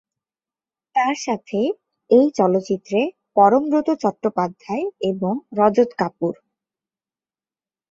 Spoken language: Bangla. তার সাথে এই চলচ্চিত্রে পরমব্রত চট্টোপাধ্যায় এবং রজত কাপুর।